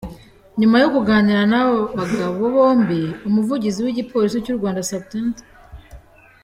Nyuma yo kuganira n’abo bagabo bombi, Umuvugizi w’Igipolisi cy’u Rwanda Supt.